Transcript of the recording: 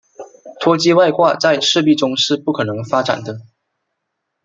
脱机外挂在赤壁中是不可能发展的。